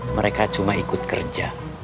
mereka cuma ikut kerja